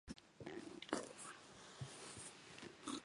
ウッタラーカンド州の冬季における州都はデヘラードゥーンである